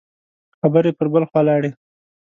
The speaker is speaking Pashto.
خبرې پر بل خوا لاړې.